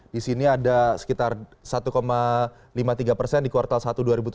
di sini ada sekitar satu lima puluh tiga persen di kuartal satu dua ribu tujuh belas